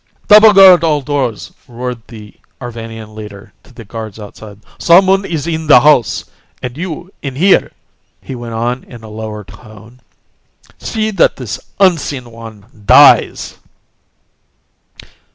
"Double guard all doors!" roared the Arvanian leader, to the guards outside. "Someone is in the house! And you in here," he went on in a lower tone, "see that this unseen one dies!"